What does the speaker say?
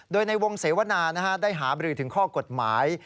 โดยในวงเสวนาได้หาบรือถึงข้อกฎหมาย